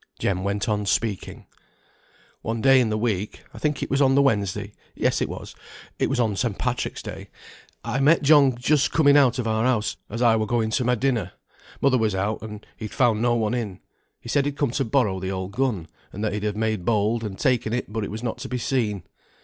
Jem went on speaking. "One day in the week I think it was on the Wednesday, yes, it was, it was on St. Patrick's day, I met John just coming out of our house, as I were going to my dinner. Mother was out, and he'd found no one in. He said he'd come to borrow the old gun, and that he'd have made bold, and taken it, but it was not to be seen.